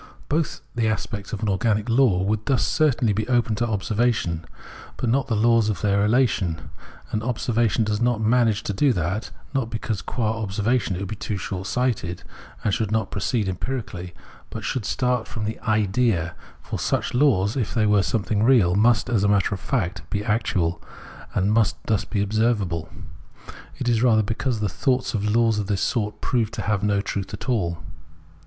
Both the aspects of an organic law would thus certainly be open to observation, but not the laws of their relation. And observation does not manage to do that, not because, qua observation, it would be too short sighted, and should not proceed empirically but should start from the "Idea" — for such laws, if they were something real, must, as a matter of fact, be actual, and must thus be observable : it is rather because Observation of Organic Nature 259 the thought of laws of this sort proves to have no truth at all.